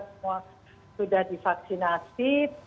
semua sudah divaksinasi